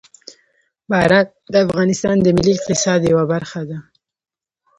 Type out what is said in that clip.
باران د افغانستان د ملي اقتصاد یوه برخه ده.